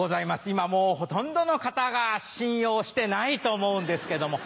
今もうほとんどの方が信用してないと思うんですけども。